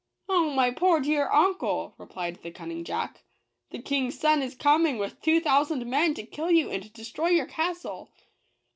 "Oh, my poor dear uncle!" replied the cun ning Jack " the King's son is coming, with two thousand men, to kill you and destroy your castle